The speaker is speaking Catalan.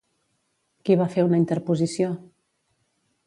Qui va fer una interposició?